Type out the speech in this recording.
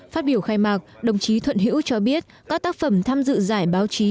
phát biểu khai mạc đồng chí thuận hữu cho biết các tác phẩm tham dự giải báo chí